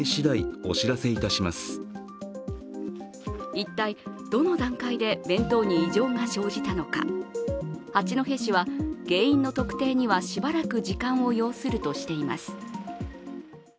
一体、どの段階で弁当に異常が生じたのか、八戸市は原因の特定には、しばらく時間を要するとしています。